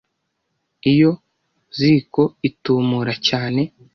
Iyo ziko itumura cyane.